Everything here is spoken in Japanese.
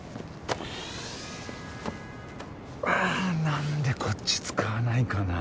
なんでこっち使わないかな？